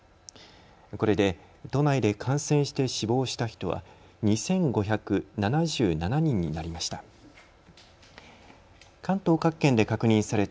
これで都内で感染して死亡した人は２５７７人になりました。